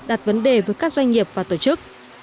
đặt vấn đề với các doanh nghiệp và tổ chức